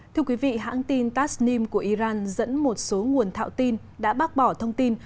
thưa quý vị hãng tin tasnim của iran dẫn một số nguồn thạo tin đã bác bỏ thông tin